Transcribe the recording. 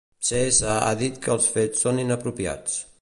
Cs ha dit que els fets són "inapropiats".